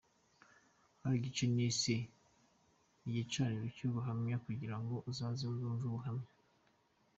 Hari igice nise ’Igicaniro cy’ubuhamya’ kugira ngo uzaza azumve ubuhamya.